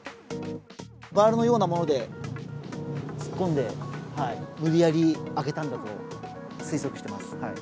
バールのようなもので突っ込んで、無理やり開けたんだと推測してます。